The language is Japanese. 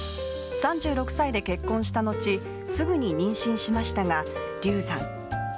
３６歳で結婚したのち、すぐに妊娠しましたが流産。